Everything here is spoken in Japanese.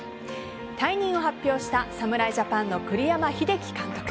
退任を発表した侍ジャパンの栗山英樹監督。